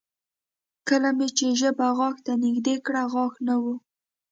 کله مې چې ژبه غاښ ته نږدې کړه غاښ نه و